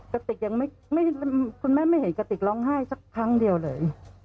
กระติกยังไม่คุณแม่ไม่เห็นกระติกร้องไห้สักครั้งเดียวเลย